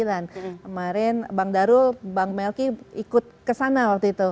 kemarin bang darul bang melki ikut kesana waktu itu